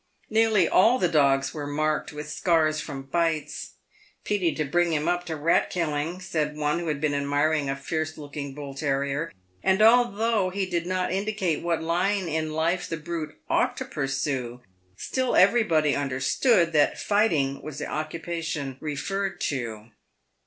Nearly all .the dogs were marked with scars from bites. " Pity to bring him up to rat killing," said one who had been admiring a fierce looking bull terrier ; and although he did not indicate what line in life the brute ought to pursue, still everybody understood that " fighting " was the occupation referred to.